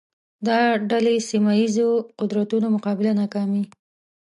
دا ډلې سیمه ییزو قدرتونو مقابله ناکامې